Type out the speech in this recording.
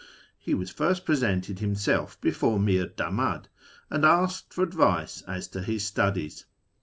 He first presented himself before Mir Damad, and asked for advice as to his studies.